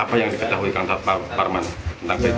apa yang diketahui kan pak parman